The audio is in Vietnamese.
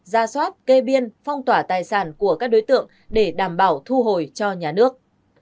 ra soát kê biên phong tỏa tài sản của các đối tượng để đảm bảo thu hồi cho nhà nước